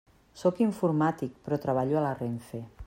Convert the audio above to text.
Sóc informàtic, però treballo a la RENFE.